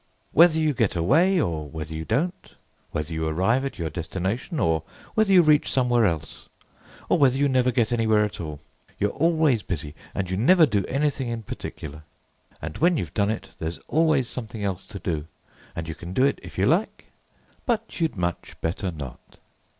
Whether you get away, or whether you don't; whether you arrive at your destination or whether you reach somewhere else, or whether you never get anywhere at all, you're always busy, and you never do anything in particular; and when you've done it there's always something else to do, and you can do it if you like, but you'd much better not.